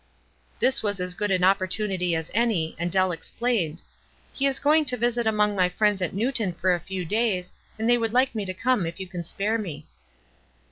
This was as good an opportunity as any, and Dell explained :— "He is going to visit among my friends at Newton for a few days, and they would like me to come if you can spare me."